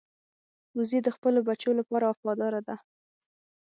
وزې د خپلو بچو لپاره وفاداره ده